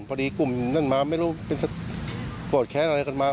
พอดีกลุ่มนั้นมาไม่รู้เป็นโกรธแค้นอะไรกันมา